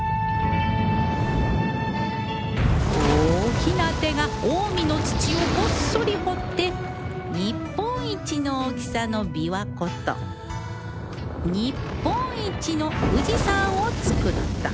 大きな手が近江の土をごっそり掘って日本一の大きさの琵琶湖と日本一の富士山をつくった